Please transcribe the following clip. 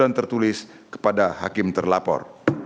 dan tertulis kepada hakim terlapor